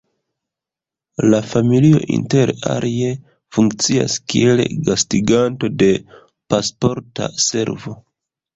La familio inter alie funkcias kiel gastiganto de Pasporta Servo.